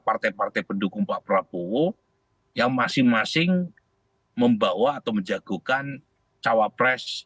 partai partai pendukung pak prabowo yang masing masing membawa atau menjagokan cawapres